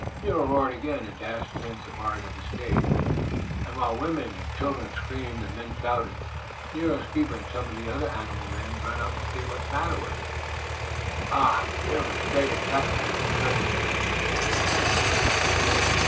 Nero roared again and dashed against the bars of his cage, and while women and children screamed and men shouted, Nero's keeper and some of the other animal men ran up to see what the matter was. There was great excitement in the circus tent.